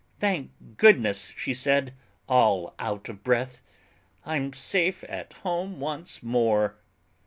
"Thank goodness!" she said, all out of breath, "I'm safe at home once more!"